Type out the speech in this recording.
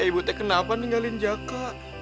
ibu kenapa ninggalin jaka